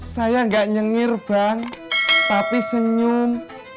saya nggak nyengir bang tapi senyum